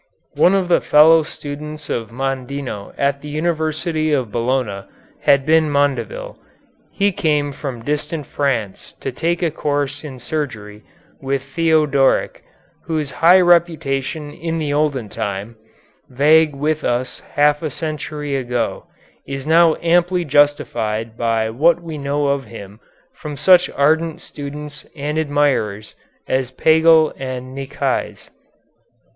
One of the fellow students of Mondino at the University of Bologna had been Mondeville. He came from distant France to take a course in surgery with Theodoric, whose high reputation in the olden time, vague with us half a century ago, is now amply justified by what we know of him from such ardent students and admirers as Pagel and Nicaise.